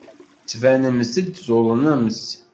Tettbanemt-d tuḍnemt.